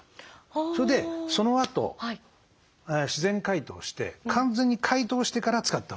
それでそのあと自然解凍して完全に解凍してから使ったほうがいい。